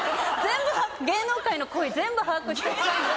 全部芸能界の恋全部把握しておきたい。